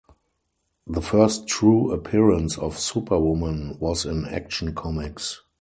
The first true appearance of Superwoman was in "Action Comics".